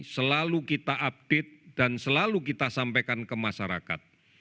selalu kita update dan selalu kita sampaikan ke masyarakat